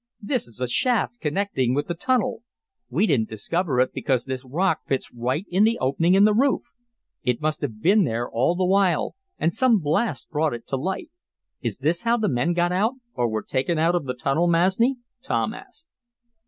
This is a shaft connecting with the tunnel. We didn't discover it because this rock fits right in the opening in the roof. It must have been there all the while, and some blast brought it to light. Is this how the men got out, or were taken out of the tunnel, Masni?" Tom asked.